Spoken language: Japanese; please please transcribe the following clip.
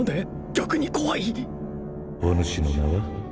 逆に怖いおぬしの名は？